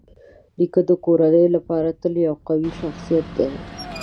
نیکه د کورنۍ لپاره تل یو قوي شخصيت دی.